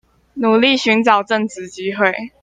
努力尋找正職機會